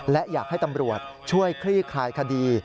และอยากให้ตำรวจช่วยคลี่คลายคดี